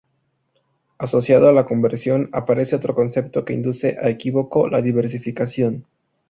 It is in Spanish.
Asociado a la conversión, aparece otro concepto que induce a equívoco: la diversificación.